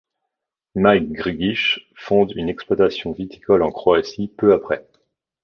Mike Grgich fonde une exploitation viticole en Croatie peu après.